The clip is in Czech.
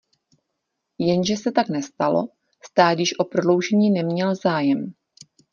Jenže se tak nestalo, stát již o prodloužení neměl zájem.